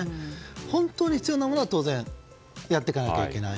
本当に必要なものは当然、やっていかなきゃいけない。